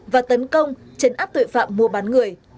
và tấn công chấn áp tội phạm mua bán người